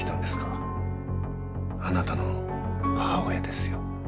あなたの母親ですよ。